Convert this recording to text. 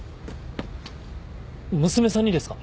娘さんにですか？